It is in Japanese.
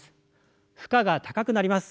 負荷が高くなります。